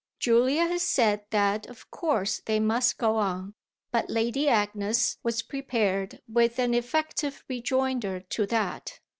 Julia had said that of course they must go on, but Lady Agnes was prepared with an effective rejoinder to that.